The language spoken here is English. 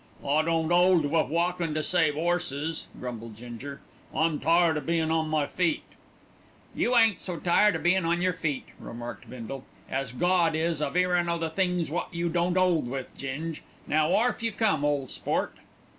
"I don't 'old wiv' walkin' to save 'orses," grumbled Ginger. "I'm tired o' bein' on my feet." "You ain't so tired o' bein' on your feet," remarked Bindle, "as Gawd is of 'earin' o' the things wot you don't 'old with, Ging. Now, orf you come, ole sport!"